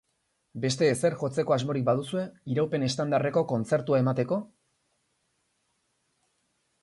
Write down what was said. Beste ezer jotzeko asmorik baduzue, iraupen estandarreko kontzertua emateko?